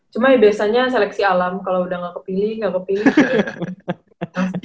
cuma biasanya seleksi alam kalau udah gak kepilih nggak kepilih